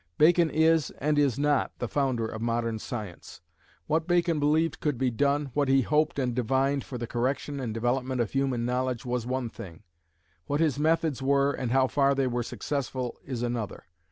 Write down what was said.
Bacon is, and is not, the founder of modern science. What Bacon believed could be done, what he hoped and divined, for the correction and development of human knowledge, was one thing; what his methods were, and how far they were successful, is another.